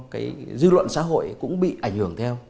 cái dư luận xã hội cũng bị ảnh hưởng theo